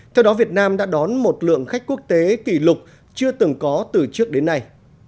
theo đó việt nam đã đón một lượng khách quốc tế kỷ lục chưa từng có từ trước đến nay